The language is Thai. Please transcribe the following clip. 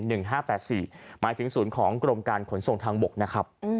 หมายถึงศูนย์ของกรมการขนส่งทางบกนะครับ